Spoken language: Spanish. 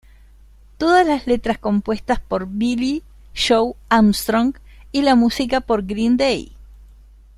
Todas las letras compuestas por Billie Joe Armstrong y la música por Green Day